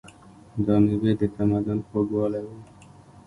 دا مېوې د تمدن خوږوالی و.